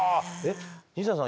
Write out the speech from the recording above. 西田さん